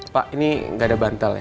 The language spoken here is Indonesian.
pak ini nggak ada bantal ya